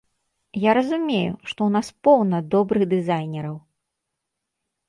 Я разумею, што ў нас поўна добрых дызайнераў.